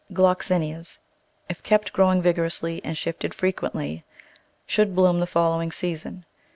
Gloxinias, if kept growing vig orously and shifted frequently, should bloom the fol lowing season.